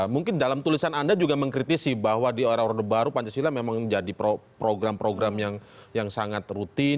mungkin dalam tulisan anda juga mengkritisi bahwa di era orde baru pancasila memang menjadi program program yang sangat rutin